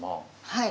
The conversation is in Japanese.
はい。